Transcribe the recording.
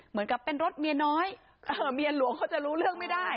เหมือนกับเป็นรถเมียน้อยเมียหลวงเขาจะรู้เรื่องไม่ได้